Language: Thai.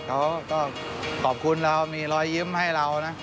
เขาก็ขอบคุณเรามีรอยยิ้มให้เรานะ